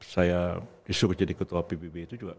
saya disuruh jadi ketua pbb itu juga